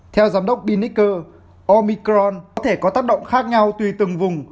theo giám đốc binicer omicron có thể có tác động khác nhau tùy từng vùng